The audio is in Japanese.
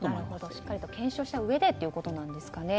しっかり検証したうえでということですかね。